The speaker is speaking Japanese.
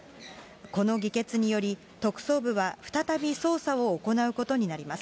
この議決により、特捜部は再び捜査を行うことになります。